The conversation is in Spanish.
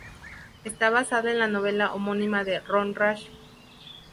Está basada en la novela homónima de Ron Rash.